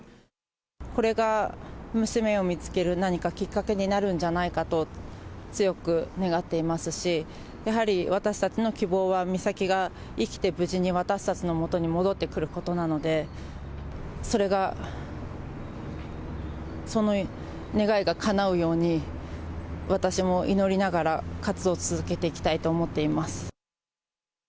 これが娘を見つける何かきっかけになるんじゃないかと、強く願っていますし、やはり私たちの希望は、美咲が生きて、無事に、私たちの元に戻ってくることなので、それが、その願いがかなうように、私も祈りながら、活動を続けていきたいと思っています。